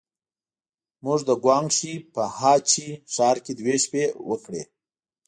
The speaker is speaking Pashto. موږ د ګوانګ شي په هه چه ښار کې دوې شپې وکړې.